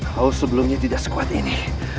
hal sebelumnya tidak sekuat ini